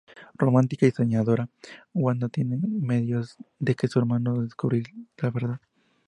Romántica y soñadora, Wanda tiene miedo de que su hermano descubrir la verdad.